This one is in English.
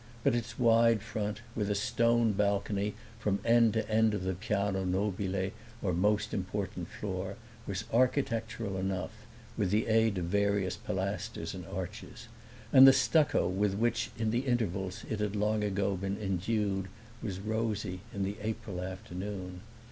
But its wide front, with a stone balcony from end to end of the piano nobile or most important floor, was architectural enough, with the aid of various pilasters and arches; and the stucco with which in the intervals it had long ago been endued was rosy in the April afternoon.